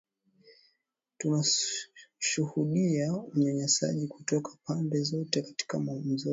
Tunashuhudia unyanyasaji kutoka pande zote katika mzozo